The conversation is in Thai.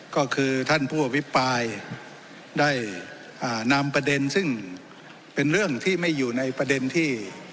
ก็คือท่านผู้อภิปรายได้นำประเด็นซึ่งเป็นเรื่องที่ไม่อยู่ในประเด็นที่